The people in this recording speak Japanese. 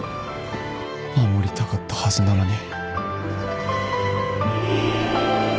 守りたかったはずなのに